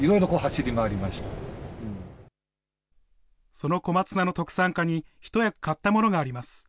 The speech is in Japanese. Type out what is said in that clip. その小松菜の特産化に一役買ったものがあります。